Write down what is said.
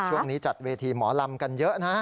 ช่วงนี้จัดเวทีหมอลำกันเยอะนะ